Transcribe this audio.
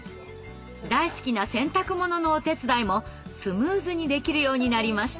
大好きな洗濯物のお手伝いもスムーズにできるようになりました。